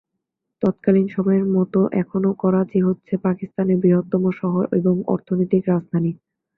তৎকালীন সময়ের মতো এখনও করাচি হচ্ছে পাকিস্তানের বৃহত্তম শহর এবং অর্থনৈতিক রাজধানী।